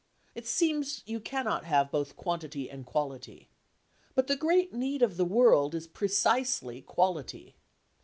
It seems you cannot have both quantity and quality. But the great need of the world is precisely quality.